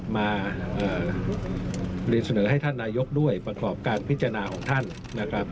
มาเรียนเสนอให้ท่านนายกด้วยประกอบการพิจารณาของท่านนะครับ